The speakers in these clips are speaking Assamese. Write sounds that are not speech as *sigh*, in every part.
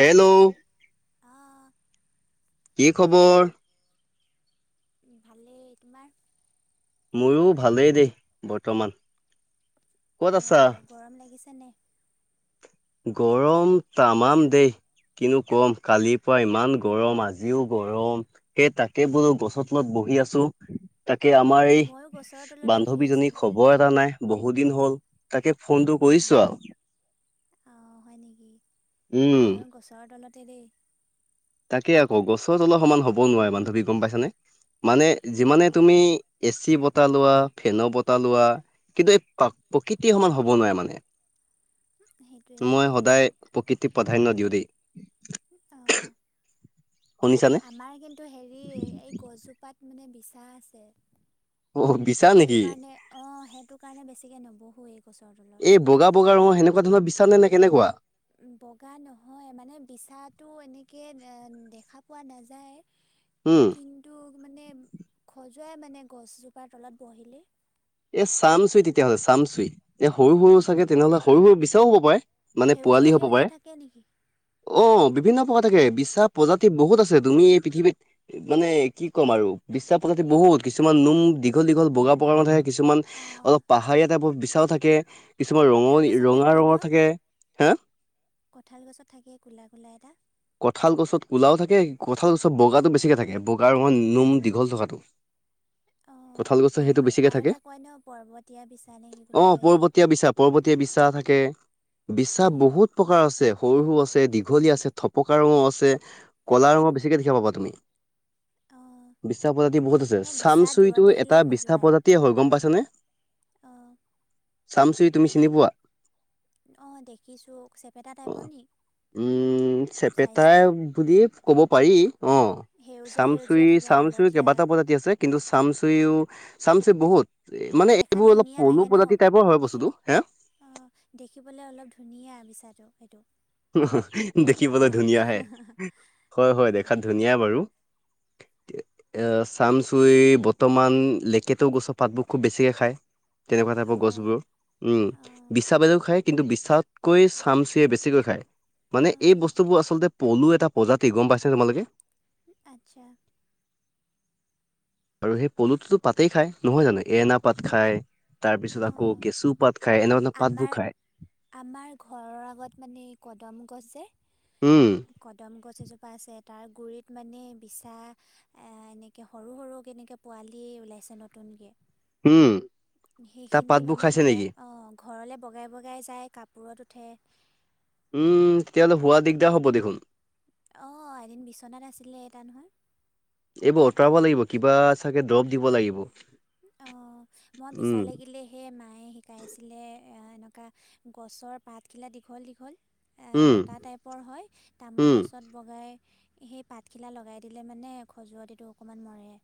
হেল্ল', অঁ কি খবৰ? ভালেই। তোমাৰ? ময়ো ভালেই দেই বৰ্তমান। ক'ত আছা অহ, গৰম লাগিছেনে? গৰম তামাম দেই। কিনু কম কালিৰ পৰা ইমান গৰম আজিও গৰম সেই তাকে বোলো গছৰ তলত ব বহি আছো। তাকে আমাৰ এই ময়ো গছৰ তলতে বহি আছোঁ বান্ধৱীজনী খবৰ এটা নাই বহুত দিন হ'ল তাকে ফোনটো হা কৰিছো আও। অঁ হয় নেকি, উম ময়ো গছৰ তলতে দেই। তাকে আকৌ গছৰ তলৰ সমান হবও নোৱাৰে বান্ধৱী গম পাইছানে মানে যিমানে অঁ তুমি এ চি বতাহ লোৱা ফেন বতাহ লোৱা কিন্তু এই প্ৰকৃতি সমান হব নোৱাৰে মানে সেইটোৱে মই সদায় প্ৰকৃতিক প্ৰাধান্য দিওঁ দেই। অহ শুনিছানে আমাৰ কিন্তু হেৰি এই গছজোপাত মানে বিচা আছে। অ বিচাৰ সেইটো নেকি কাৰণে অহ সেইটো কাৰণে বেছিকে নবহুৱেই। এই বগা- বগা ৰঙৰ সেনেকুৱা ধৰণৰ বিচানে নে কেনেকুৱা? বগা নহয় মানে বিচাটো এনেকে দেখা পোৱা নেজায়ে। উম কিন্তু মানে খজুৱাই মানে গছজোপাৰ তলত বহিলে। এ চামচুই তেতিয়াহ'লে চামচুই এ সৰু সৰু চাগে তেনেহলে সৰু সৰু বিচাও হব পাৰে। মানে পোৱালি সেউজীয়া হ'ব পাৰে সেউজীয়া থাকে নেকি অ বিভিন্ন প্ৰকাৰৰ থাকে বিচা প্ৰজাতি বহুত আছে তুমি এই পৃথিৱীত মানে কি ক'ম আৰু বিচা প্ৰজাতি বহুত কিছুমান নোম দীঘল দীঘল বগা বগা নাথাকে কিছুমান অঁ অলপ পাহাৰীয়া টাইপৰ বিচাও থাকে। কিছুমান কঁঠাল ৰঙলি গছত ৰঙা ন ৰঙৰ থাকে হা কঁঠাল গছত থাকে কোলা কোলা এটা। কঁঠাল গছত ক'লাও থাকে কঁঠাল গছত বগাটো বেছিকে থাকে বগাৰ ৰঙৰ নোম দীঘল থকাটো। অঁ কঁঠাল এইটো গছত পৰ্ব সেইটো বেছিকে আৰু থাকে। এটা কয় ন পৰ্বতীয়া বিচা নে কি বুলি অহ কয় যে পৰ্বতীয়া বিচা পৰ্বতীয়া বিচা থাকে। বিচা অঁ বহুত প্ৰকাৰ আছে সৰু সৰু আ তে দীঘলী আছে, থপকা ৰঙো আছে, ক'লা ৰঙো বেছিকে দেখিব পাবা তুমি অঁ বিচা প্ৰজাতি বহুত আছে মই চামচুৰিটো এটা বিচা প্ৰজাতিয়ে হয়। গম অহ চামচুই তুমি চিনি পোৱা? অ দেখিছো চেপেটা অ টাইপৰ নি? উম চেপেটা চাইজটো বুলিয়ে ক'ব পাৰি। অ সেউজীয়া চামচুই সেউজীয়া থাকে চামচুই হালধীয়া কেইবাটাও প্ৰজাতি আছে কিন্তু চামচুইও চামচুই বহুত মানে দেখাত এইবোৰ অলপ ধুনীয়া পলু পজাতি টাইপৰ হয় বস্তুটো হে অ দেখিবলৈ অলপ ধুনীয়া বিচাটো সেইটো অ হ দেখিবলে অঁ ধুনীয়া হে, হয় হয় দেখাত ধুনীয়া বাৰু। *inaudible* এ চামচুই বৰ্তমান লেকেটু গছৰ পাতবোৰ খুব বেছিকে খায়। তেনেকোৱা টাইপৰ অঁ গছবোৰ উম অঁ বিশা বাদেও খাই। কিন্তু বিছাতকৈ চামচৈয়ে বেছিকৈ খায়। মানে এই অঁ বস্তুবোৰ আচলতে পলু এটা প্ৰজাতি গম পাইছো নে তোমালোকে আতচ্ছা আৰু সেই পলুটোতো পাতেই খাই নহয় জানো এনা পাত খাই তাৰ পিছত আকৌ অঁ কেচু পাত খায় এনেধৰণৰ পাতবোৰ আমাৰ খায় আমাৰ ঘৰৰ আগত মানে কদম গছ যে উম কদম গছ গছ এজোপা আছে তাৰ গুৰিত মানে বিছা এনেকৈ সৰু সৰু কেনেকৈ পোৱালি ওলাইছে নতুনকে। হোম সেইখিনি মানে এতিয়া অ ঘৰলে বগাই বগাই যায় কাপোৰত উঠে। উম তেতিয়া হ'লে শুৱা দিগদাৰ হ'ব দেখোন। অ এদিন বিছনাত আছিলে এটা নহয়। আতৰাব লাগিব কিবা চাগে দৰৱ দিব লাগিব। অ মই উম বিচাৰ লাগিলেহে মায়ে শিকাইছিলে এ এনেক কা গছৰ পাতখিলা দীঘল দীঘল আ উম লতা টাইপৰ হয় তামোল উম গছত বগাই সেই পাতখিলা লগাই দিলে মানে খজুৱতিটো অকণমান মৰে।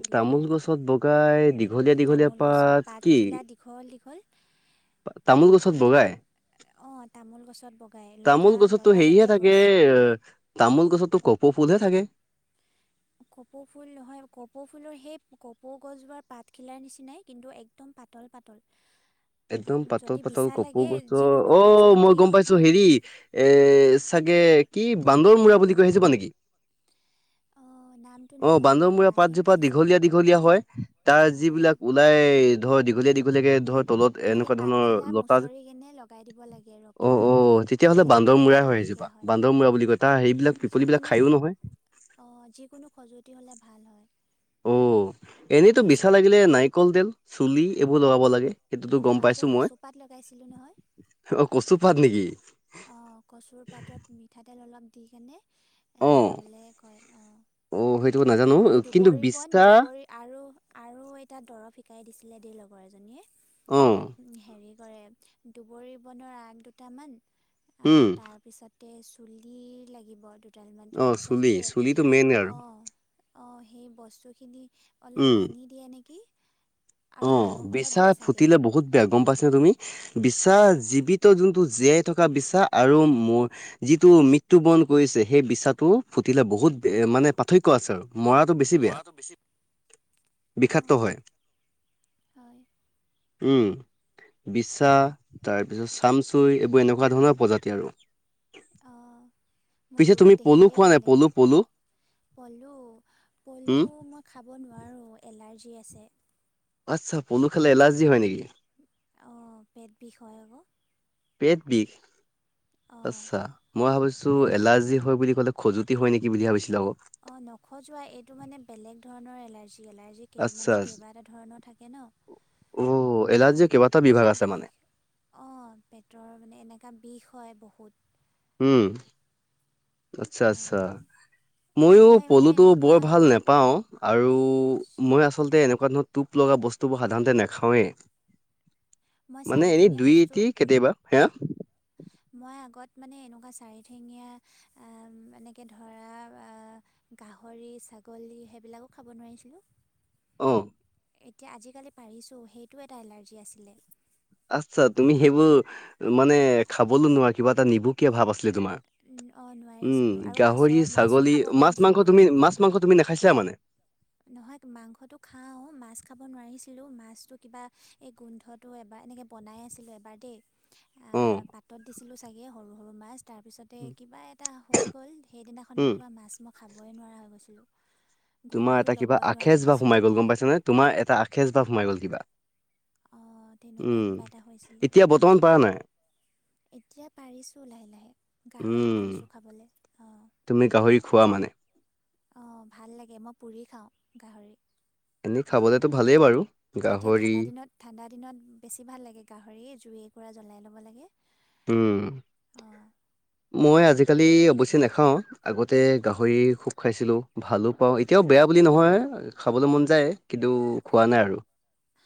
বুলি তামোল কয় গছত বগাই দীঘলীয়া দীঘলীয়া তামোল গছত পাত কি? পাতখিলা দীঘল দীঘল তামোল গছত বগায়। অ তামোল গছ গছত বগাই লতা তামোল গছতো সেৰিহে লতাজাতীয় থাকে অ তামোল গছততো কপৌ ফুলহে থাকে। কপৌ ফুল নহয় কপৌ ফুলৰ সেই কপৌ গছজোপাৰ পাতখিলাৰ নিচিনাই কিন্তু একদম পাতল পাতল একদম পাতল যদি পাতল বিচা কপৌ লাগে গছৰ যিকোনো অ মই খজুৱতি গম পাইছো অঁ হেৰি এ চাগে কি বান্দৰ মূৰা বুলি কৈ সেইজোপা নেকি? অঁ নামটো অ নাজানো বান্দমূৰা মায়ে পাতজোপা শিকাইছিলে দীঘলীয়া দীঘলীয়া হয় তাৰ অঁ যিবিলাক ওলাই ধৰ দীঘলীয়া দীঘলীয়াকে ধৰ তলত এনেকে এনেকুৱা ধৰণৰ পাতখিলা লতা মুচৰি কেনে লগাই দিব লাগে ৰসখিনি, তেতিয়া খজুৱতি নাই জোপা বান্দমূৰা বুলি কয় তাৰ সেইবিলাক পিপলিবিলাক খায়ো নহয়। অ যিকোনো খজুৱতি হলে ভাল হয়। অ এনেইতো বিছা বেছিকৈ লাগিলে নাৰিকল তেল চুলি এইবোৰ লগাব লাগে। সেইটোতো অঁ গম আগতে পাইছো মই। কচুপাত লগাইছিলোঁ অ কচুপাত নেকি? অ কচুৰ পাতত মিঠাতেল অলপ দি কেনে অ লগাবলৈ কয়। অ অ সেইটো নাজানো আৰু কিন্তু দুবৰি বন বিছা দুবৰি আৰু আৰু এটা দৰৱ শিকাই দিছে- লেডী লগৰ অ এজনীয়ে হেৰি কৰে দুবৰি বনৰ আগ দুটামান উম, তাৰপিছত ত চুলি লাগিব দুডালমান অ, চুলি তাৰপিছত যে চুলিটো মেইন আৰু অ অ সেই বস্তুখিনি অলপ উম। পানী দিয়ে নেকি। আৰু অ নিমখ অলপ দিয়ে বিচাই চাগে ফুটিলে বহুত বেয়া। গম পাইছা তুমি? বিচা অঁ জীৱিত যোনটো জেঠ থকা বিচা আৰু যিটো মৃত্যু বৰণ কৰিছে সেই বিছাটো ফুটিলে বহুত বেয়া অঁ মানে পাৰ্থক্য আছে আৰু মৰাটো বেছি বেয়া। মৰাটো বেছি অঁ বিষাক্ত হয়। হয়। উম বিচা তাৰপিছত চামচুই এইবোৰ এনেকুৱা ধৰণৰ প্ৰজাতি আৰু অ পিছে তুমি পলু খোৱা নাই পলু পলু। পলু পলু উম, মই খাব নোৱাৰোঁ এলাৰ্জি আছে। আচ্ছা পলু খালে এলাৰ্জি হয় নেকি? অ পেট বিষ হয় আক পেট বিষ অঁ আচ্ছা মই ভাবিছ- ছো এলাৰ্জি হয় বুলি ক'লে খজুৱতি হয় নেকি বুলি ভাবিছিলোঁ আক। অ নখজোৱা এইটো মানে বেলেগ ধৰণৰ এলাৰ্জি। এলাৰ্জি আচ্ছা মানে আচ্ছ- কেইবা এটা ধৰণৰ থাকে অ ন। এলাৰ্জিৰ কেইবাটা বিভাগ আছে মানে বিষ অ পেটৰ মানে এনেক বিষ হয় বহুত উম আচ্ছা অঁ আচ্ছা। মই মানে পলুটো এনেকুৱা বৰ ভাল নেপাওঁ আৰু আচ্ছা মই আচলতে এনেকুৱা ধৰণৰ টোপ লগা বস্তুবোৰ সাধাৰণতে নাখাওঁৱেই মই মানে এনে চাৰিঠেঙীয়া দুই বস্তু এটি কেতিয়াবা। হেয়া মই আগত মানে এনেকুৱা চাৰিঠেঙীয়া এনেকে ধৰা গাহৰি, ছাগলী সেইবিলাকো খাব নোৱাৰিছিলোঁ। অহ এতিয়া আজিকালি পাৰিছোঁ সেইটো এটা এলাৰ্জি আছিলে। আচ্ছা তুমি সেইবোৰ মানে খাবলৈ নোৱা কিবা এটা নিভুকীয়া ভাব আছ- ছিলে তোমাৰ। অঁ উম নোৱাৰিছিলোঁ আৰু মাছৰ গাহৰি, মাছো ছাগলী, খাব মাছ-মাংস নোৱাৰিছিলোঁ তুমি, মাছ-মাংস তুমি খাইছিলা মানে। নহয় মাংসটো খাওঁ মাছ খাব নোৱাৰিছিলো মাছটো কিবা এই গোন্ধটো এবাৰ এনেকৈ বনাই আছিলে এবাৰ দেই। আ অ পাতত দিছিলো চাগে সৰু সৰু মাছ তাৰ পিছতে কিবা এটা হৈ গ'ল- সেইদিনাখনিৰ উম পৰা মাছ মই খাবই নোৱাৰা হৈ গৈছিলোঁ। তোমাৰ গোন্ধটো এটা কিবা ল'বই নোৱাৰোঁ আখেষ বা মাছৰ সোমাই গল গম পাইছ নে তোমাৰ এটা আখেষ বা সোমাই গ'ল কিবা। অঁ তেনেকুৱাই উম কিবা এটা হৈছিলে এতিয়া বৰ্তমান পাৰা নাই? এতিয়া পাৰিছোঁ লাহে লাহে গাহৰি উম, পাৰিছোঁ খাবলে। অ তুমি গাহৰি খোৱা মানে? অ ভাল লাগে মই পুৰি খাওঁ গাহৰি। এনেই খাবলেতো ভালেই বাৰু। এতিয়া গাহৰি ঠাণ্ডা দিনত ঠাণ্ডা দিনত বেছি ভাল লাগে গাহৰি জুই একুৰা জ্বলাই ল'ব লাগে। উম অঁ মই আজি আজিকালি অৱশ্যে নাখাওঁ আগতে গাহৰি খুব খাইছিলোঁ ভালো পাওঁ এতিয়াও বেয়া বুলি নহয় খাবলৈ মন যায় কিন্তু খোৱা নাই আৰু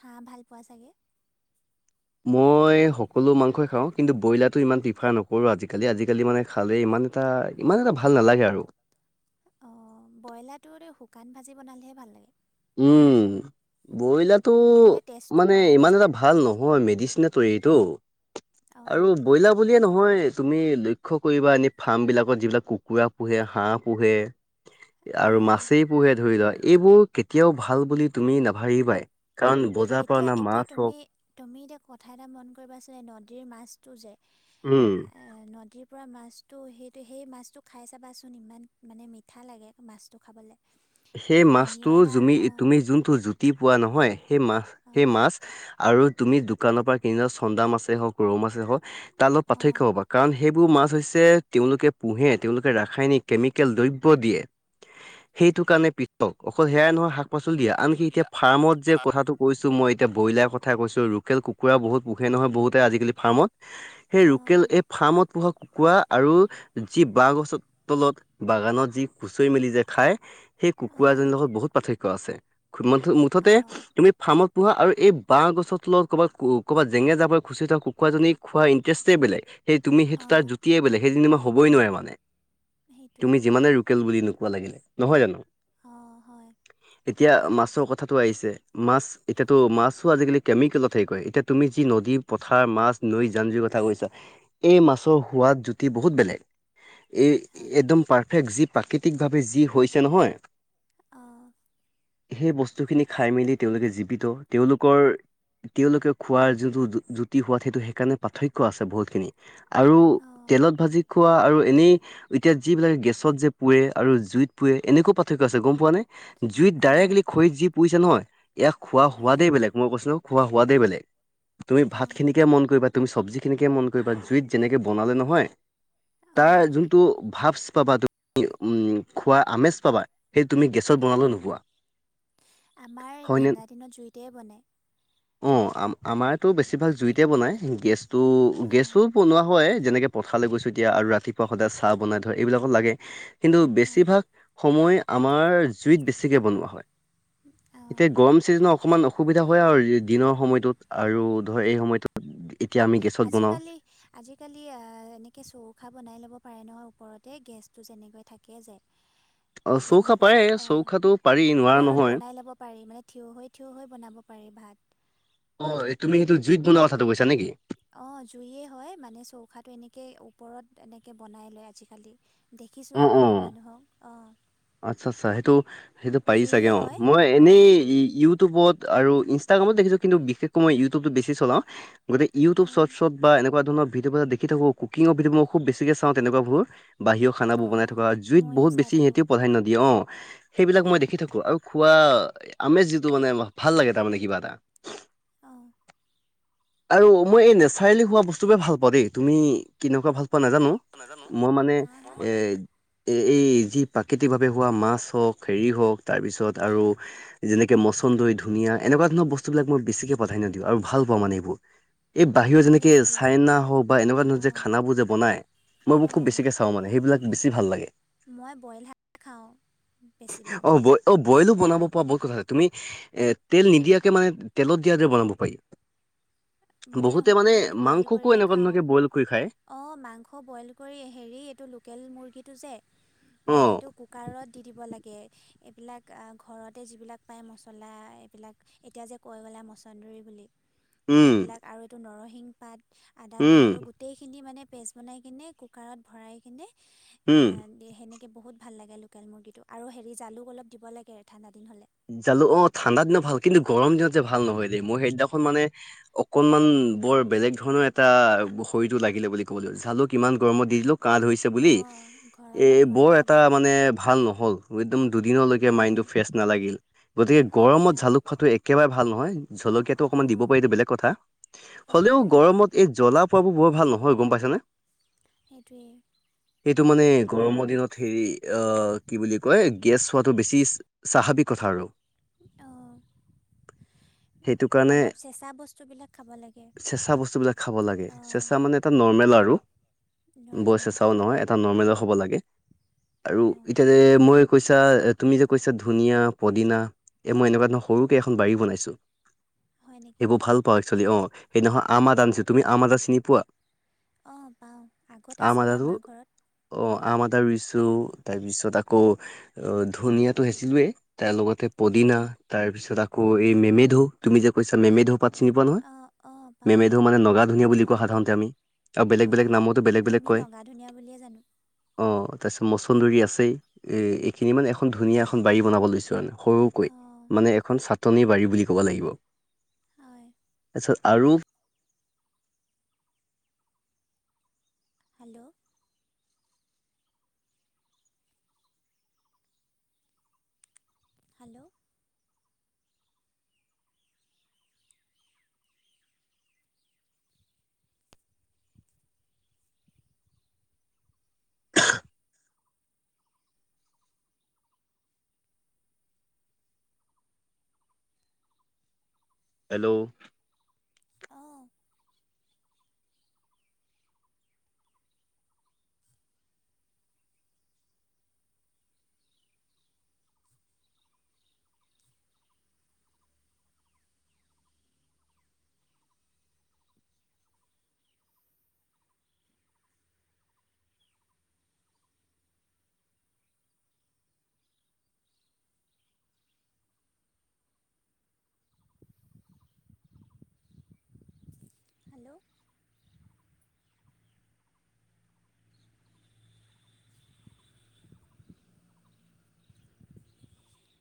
হাঁহ ভাল পোৱা চাগে? মই সকলো মাংসই খাওঁ কিন্তু ব্ৰইলাৰটো ইমান প্ৰিফাৰ নকৰোঁ আজিকালি। আজিকালি মানে খালে ইমান ইমান এটা ইমান এটা ভাল নালাগে আৰু। অ ব্ৰইলাৰটোৰে শুকান ভাজি বনালেহে ভাল লাগে উম ব্ৰইলাৰটো নহ'লে টেষ্টটো মানে পোৱাই ইমান নাযায় এটা ভাল ন ম মেডিচিনে তৈয়াৰীটো অঁ আৰু ব্ৰইলাৰ বুলিয়ে নহয় তুমি লক্ষ্য কৰিবা এনে ফাৰ্ম বিলাকত যিবিলাক কুকুৰা পোহে হাঁহ পোহে আৰু অঁ মাছেই পোহে ধৰি লোৱা এইবোৰ কেতিয়াও ভাল বুলি তুমি নাভাবিবাই কাৰণ বজাৰৰ পৰা এতিয়া অনা এতিয়া মাছ তুমি হওক তুমি এতিয়া কথা এটা মন কৰিবাছিলে নদীৰ মাছটো যে উম পুৰা মাছটো সেইটো সেই মাছটো খাই চাবাচোন ইমান মানে মিঠা লাগে মাছটো খাবলে। সেই মাছটো জুমি তুমি যোনটো জুতি পোৱা নহয় সেই মা সেই অঁ মাছ আৰু তুমি দোকানৰ পৰা কিনি চন্দা মাছেই হওক ৰৌ মাছেই হওঁক তাৰ অলত পাৰ্থক্য অঁ হবা কাৰণ সেইবোৰ মাছ হৈছে তেওঁলোকে পুহে তেওঁলোকে ৰাসায়নিক, কেমিকেল, দ্ৰব্য দিয়ে। সেইত- সেটো কাৰণে পিতক অকল সেয়াই নহয় শাক পাচলি দিয়ে শাক আনকি পাচলি এতিয়া দিয়া ফাৰ্মত এতিয়া যে ফা কথাটো কৈছো মই এতিয়া ব্ৰইলাৰ কথা কৈছো ৰোকেল কুকুৰা বহুত পোহে নহয় বহুতে আজিকালি ফাৰ্মত। সেই ৰোকেল অঁ এই ফাৰ্মত পোহা কুকুৰা আৰু যি বাহ গছৰ তলত বাগানত যি কুচৰি মেলি যায় খায় খায় সেই অঁ কুুকুৰাজনী লগত বহুত পাৰ্থক্য আছে মুঠতে অঁ তুমি ফাৰ্মত পোহা আৰু এই বাহ গছৰ তলত কবাত কবাত জেঙ যাবৰে খুচি থকা কুকুৰাজনী খোৱাৰ ইণ্টাৰেষ্টে বেলেগ। সেই তুমি সেইটো তাৰ অঁ জুতিয়ে বেলেগ সেইজনী মান হ'বই নোৱাৰে মানে সেইটোৱে তুমি যিমানে ৰোকেল বুলি নো- পুৱা লাগিলে নহয় জানো- অঁ হয় এতিয়া মাছৰ কথাটো আহিছে মাছ এতিয়াতো মাছো আজিকালি কেমিকেলত হেৰগ কয় এতিয়া তুমি যি নদী পথাৰ মাছ নৈ জান জুৰি কথা কৈছা এই মাছৰ সোৱাদ জুতি বহুত বেলেগ এই হয় একদম পাৰফেক্ট যি প্ৰাকৃতিকভাৱে যি হৈছে নহয়। অহ সেই বস্তুখিনি খাই মেলি তেওঁলোকে জীৱিত তেওঁলোকৰ তেওঁলোকে খোৱাৰ যোনটো জুতি সোৱাদ সেইটো সেইকাৰণে পাৰ্থক্য আছে বহুতখিনি আৰু অঁ তেলত ভাজি খোৱা আৰু এনেই এতিয়া যিবিলাক গেছত যে পুৱে আৰু জুইত পুৱে এনেকো পা- ৰ্থক্য আছে গম পোৱা নে? জুইত অঁ ডাইৰেক্টলি খৰি পুইছে নহয় ইয়াক খোৱা হয় সোৱাদেই বেলেগ মই কৈছিলো খোৱা সোৱাদেই বেলেগ। তুমি অঁ ভাতখিনিকে মন কৰিবা তুমি চব্জিখিনিকে মন কৰিবা জুইত যেনেকে বনালে নহয়। তাৰ অঁ যোনটো ভাপচ পাবা তুমি উম খোৱা আমেজ পাবা সেই তুমি গেছত বনালে নোপোৱা। আমাৰ হয়নে ঠাণ্ডা দিনত জুইতে বনে। অ আম আমাৰতো বেছিভাগ জুইতে বনায় গেছটো অঁ গেছো বনোৱা হয়। যেনেকে পথালে গৈছো এতিয়া আৰু ৰাতিপুৱা সদায় চাহ বনাই ধৰে এইবিলাকত লাগে কিন্তু হয় বেছিভাগ সময় আমাৰ জুইত বেছিকৈ বনোৱা হয় অঁ এতিয়া গৰম চিজন অকণমান অসুবিধা হয় আৰু দিনৰ সময়টোত আৰু ধৰ এই সময়টোত এতিয়া আমি গেছত বনাওঁ, আজিকালি আজিকালি আহ এনেকে চৌকা বনাই ল'ব পাৰে নহয়। ওপৰতে গেছটো যেনেকৈ থাকে যে *inaudible* চৌকা তেনেকুৱা পাৰে চৌকাটো পাৰি অ নোৱাৰা ওপৰত নহয়। বনাই ল'ব পাৰি মানে থিয় হৈ থিয় হৈ বনাব পাৰি। ভাত। অ তুমি সেইটো জুইত বনোৱা কথাটো কৈছা নেকি? অঁ জুইয়ে হয় মানে চৌকাতটো এনেকেই ওপৰত এনেকৈ বনাই লয় আজিকালি। দেখিছোঁ অ', অ'। বহুত মানুহক অ। আচ্ছা আচ্ছা সেইটো সেইটো পাৰি চাগে জুয়ে অ হয় মই এনেই অঁ ইউটিউবত আৰু ইনষ্টাগ্ৰামত দেখিছোঁ কিন্তু বিশেষকৈ ইউটউবটো বেছি চলাওঁ গতিকে অঁ ইউটউবস্বৰ্ট চব বা এনেকুৱা ধৰণৰ ভিডিঅ দেখি থাকো কুকিং ভিডিঅ খুব বেছিক চাওঁ তেনেকুৱাবোৰ। বাহিৰৃৰ খানাবোৰ বনাই অঁ থকা জুইত ময়ো বহুত চাই বেছি থাকোঁ সিহঁতেও দিয়ে অ সেইবিলাক মই অঁ দেখি থাকো। আৰু খোৱা আমেজ যিটো মানে ভাল লাগে তাৰমানে কিবা এটা। অহ। আৰু মই এই নেচাৰেলি হোৱা বস্তু ব ভাল পাওঁ দেই। তুমি কেনেকুৱা ভাল পোৱা নাজানো নাজানো মই মানে মোৰ এ মানে এ এই যি প্ৰাকৃতিক ভাৱে হোৱা মাছ হওঁক হেৰি হওঁক তাৰ পিছত আৰু যেনেকে ম- চন্দই, ধুনীয়া এনেকুৱা ধৰণৰ বস্তুবিলাকই বেছিকৈ প্ৰধান্য দিওঁ আৰু ভাল পাওঁ মানে এইবোৰ। এই বাহিৰত ময়ো যেনেকে একেই চাইনা হওক বা এনেকুৱা ধৰণৰ যে অঁ খানাবোৰ যে বনায়। মই মোক খুব অঁ বেছিকে চাওঁ মানে সেইবিলাক বেছি ভাল লাগে। মই বইল শাক খাওঁ বেছিভাগ অ বয় অপ বইলো বনাব পৰা বহুত কথা, তুমি তেল নিদিয়াকে মানে তেলত দিয়াৰ দৰে বনাব পাৰি। মই বহুতে মানে মাংসকো এনেকুৱা ধৰকে বইল কৰি খায়। অ মাংস বইল কৰি হেৰি এইটো লোকেল মুৰ্গীটো যে অ সেইটো কুকাৰত দি দিব লাগে। এইবিলাক ঘৰতে যিবিলাক পায় মছলা এইবিলাক এতিয়া যে কৈ গ'লা মচন্দৰী বুলি উম। সেইবিলাক আৰু এইটো নৰসিংহ পাত, আদা, উম, নহৰু গোটেইখিনি মানে পেষ্ট বনাই কিনে কুকাৰত ভৰাই কিনে হোম। বহু ভাল লাগে লোকেল মুৰ্গীটো আৰু হেৰি জালু অলপ দিব লাগে ঠাণ্ডা দিন হ'লে। জালো অ ঠাণ্ডা দিনত ভাল কিন্তু গৰম দিনত যে ভাল নহয় দেই। মই সেইদিনাখন মানে অকনমান বৰ বেলেগ ধৰণৰ এটা শৰীৰটো লাগিলে বুলি ক'ব লাগিব। জালুক কিমান গৰমত দি দিলো কাহ ধৰিছে বুলি অঁ এ গৰমত নোৱাৰি বৰ খাব এটা মানে ভাল নহ'ল একদম দুদিনলৈকে মাইণ্ডটো অঁ ফ্ৰেছ নালাগিল। গতিকে আচ্ছা গৰমত জালুক খোৱাটো একেবাৰে ভাল নহয়। জলকীয়াটো অকণমান দিব অঁ পাৰিটো বেলেগ কথা, অঁ হ'লেও অঁ গৰমত এই জ্বলা পোৱাবোৰ বৰ ভাল নহয়! গম পাইছ নে? সেইটোৱেই। সেইটো মানে গৰমৰ দিনত হেৰি আহ কি বুলি কয় গেছ হোৱাটো বেছি স্বাভাৱিক কথা আৰু। অ। *inaudible* সেইটো কাৰণে বস্তুবিলাক খাব লাগে চেচা বস্তুবিলাক খাব লাগে অঁ চেঁচা মানে এটা নৰ্মেল আৰ- ৰু, বৰ নৰ্মেল চেঁচাও নহয় এটা নৰ্মেল হ'ব লাগে। আৰু অঁ এতিয়া যে মই কৈছা তুমি যে কৈছা ধুনীয়া পদিনা এই মই এনেকুৱা ধৰণৰ সৰুযে এখন বাৰী বনাইছোঁ হয় নেকি সেইবোৰ ভাল পাওঁ এক্সুৱেলি অ। সেই নহয় আম আদা আনিছো। তুমি আম আদা চিনি পোৱা? অ পাওঁ। আগত আম আছিলে আদাটো আমাৰ ঘৰত অ অঁ আম আদা ৰুইছো তাৰ পিছত আকৌ ধুনীয়াটো হেছিলোঁৱেই। তাৰ লগতে পদিনা তাৰ পিছত আকৌ এই মেমেধো তুমি যে কৈছা মেমেধো। পাত চিনি পোৱা নহয়? অঁ অঁ পাওঁ মেমেধো মানে নগা ধুনীয়া বুলি কোৱা সাধাৰণতে আমি। আৰু বেলেগ অ বেলেগ নামতো বেলেগ বেলেগ আমি কয় নগা ধুনীয়া বুলিয়ে জানো্। অ তাৰ পিছত মচন্দৰী আছেই এ এইখিনি মানে এখন ধুনীয়া এখন বাৰী বনাব লৈছোঁ। সৰুকৈ অঁ মানে এখন চাটনি বাৰী বুলি ক'ব লাগিব। হয় পিছত আৰু হেল্ল' হেল্ল' হেল্ল' অহ হেল্ল'